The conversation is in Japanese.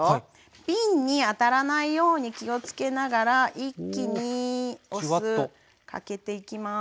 瓶に当たらないように気をつけながら一気にお酢かけていきます。